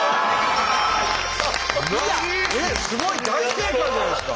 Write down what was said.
すごい！大正解じゃないですか！